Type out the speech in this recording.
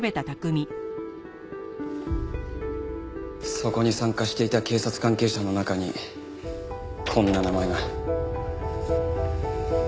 そこに参加していた警察関係者の中にこんな名前が。